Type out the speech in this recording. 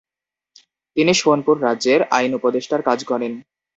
তিনি সোনপুর রাজ্যের আইন-উপদেষ্টার কাজ করেন ।